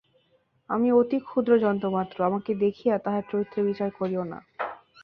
আমি অতি ক্ষুদ্র যন্ত্রমাত্র, আমাকে দেখিয়া তাঁহার চরিত্রের বিচার করিও না।